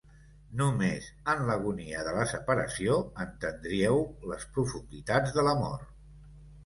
Només en l'agonia de la separació entendríeu les profunditats de l'amor.